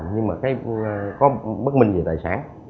nhưng mà có bất minh về tài sản